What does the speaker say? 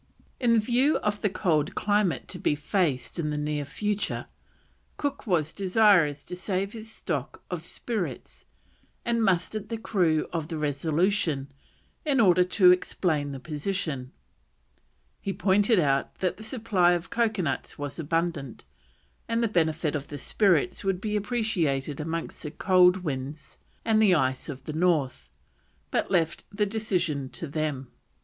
In view of the cold climate to be faced in the near future, Cook was desirous to save his stock of spirits, and mustered the crew of the Resolution in order to explain the position; he pointed out that the supply of coconuts was abundant, and the benefit of the spirits would be appreciated amongst the cold winds and ice of the north, but left the decision to them.